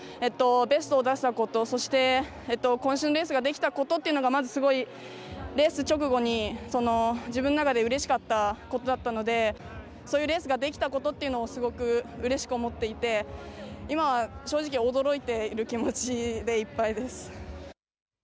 ベストを出したことそして、こん身のレースができたことというのがまず、すごいレース直後に自分の中でうれしかったことだったのでそういうレースができたことというのをすごくうれしく思っていて今は正直驚いている気持ちでいっぱいです。